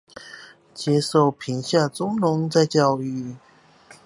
接受貧下中農再教育